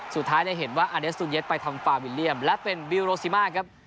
สุดท้ายได้เห็นว่าอาเดสตูเย็ดไปทำฟาวิลเลี่ยมและเป็นบิลโรซิมาครับ